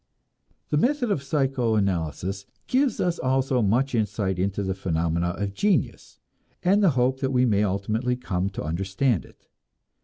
The method of psychoanalysis gives us also much insight into the phenomena of genius, and the hope that we may ultimately come to understand it.